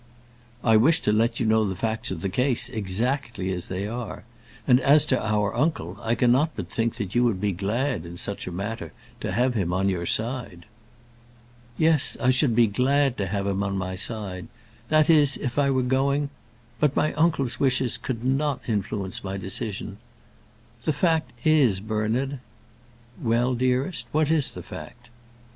"I wished to let you know the facts of the case, exactly as they are. And as to our uncle, I cannot but think that you would be glad, in such a matter, to have him on your side." "Yes, I should be glad to have him on my side; that is, if I were going But my uncle's wishes could not influence my decision. The fact is, Bernard " "Well, dearest, what is the fact?"